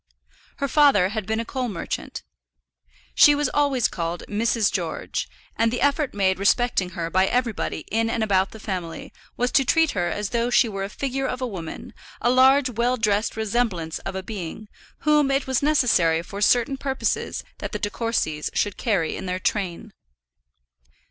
Her father had been a coal merchant. She was always called Mrs. George, and the effort made respecting her by everybody in and about the family was to treat her as though she were a figure of a woman, a large well dressed resemblance of a being, whom it was necessary for certain purposes that the De Courcys should carry in their train.